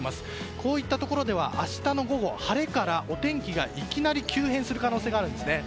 こういったところでは明日の午後、晴れからお天気がいきなり急変する可能性があるんですね。